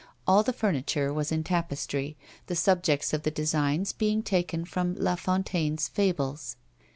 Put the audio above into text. All the furniture was in tapestry, the subjects of the designs being taken from La Fontaine's fables.